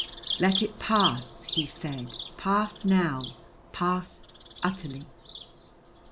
"Let it pass," he said, "pass now, pass utterly."